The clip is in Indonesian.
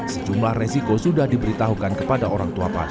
sejumlah resiko sudah diberitahukan kepada orang tua pasien